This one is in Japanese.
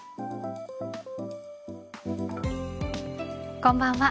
こんばんは。